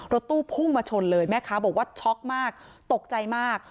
รถตู้พุ่งมาชนเลยแม่ค้าบอกว่าช็อกมากตกใจมาก